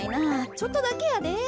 ちょっとだけやで。